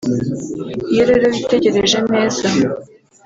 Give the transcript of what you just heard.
Iyo rero witegereje neza